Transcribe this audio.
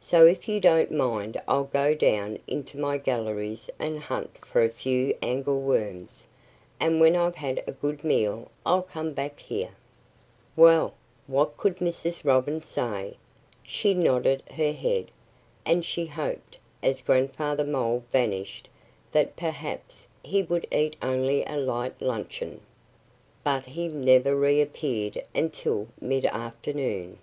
So if you don't mind I'll go down into my galleries and hunt for a few angleworms; and when I've had a good meal I'll come back here." Well, what could Mrs. Robin say? She nodded her head; and she hoped, as Grandfather Mole vanished, that perhaps he would eat only a light luncheon. But he never reappeared until mid afternoon.